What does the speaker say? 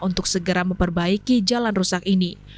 untuk segera memperbaiki jalan rusak ini